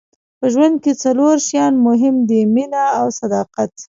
په ژوند کې څلور شیان مهم دي مینه او صداقت.